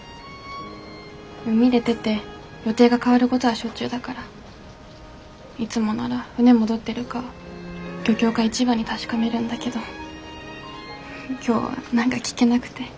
海出てて予定が変わるごどはしょっちゅうだからいつもなら船戻ってるか漁協か市場に確かめるんだけど今日は何か聞けなくて。